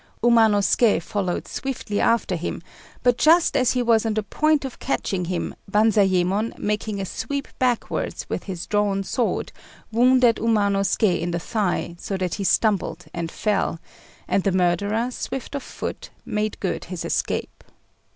Umanosuké followed swiftly after him; but just as he was on the point of catching him, Banzayémon, making a sweep backwards with his drawn sword, wounded Umanosuké in the thigh, so that he stumbled and fell, and the murderer, swift of foot, made good his escape.